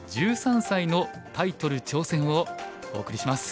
１３歳のタイトル挑戦」をお送りします。